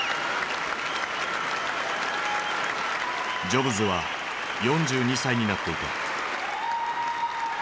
ジョブズは４２歳になっていた。